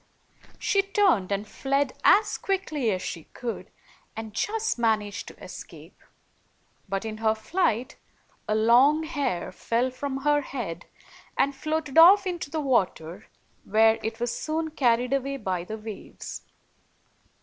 She turned and fled as quickly as she could, 104 and just managed to escape. But in her flight, a long hair fell from her head and floated off into the water, where it was soon carried away by the waves.